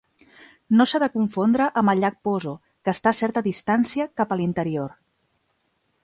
No s'ha de confondre amb el llac Poso, que està a certa distància cap a l'interior.